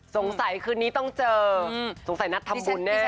คืนนี้ต้องเจอสงสัยนัดทำบุญแน่